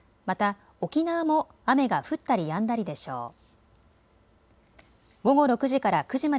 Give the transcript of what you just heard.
また、沖縄も雨が降ったりやんだりでしょう。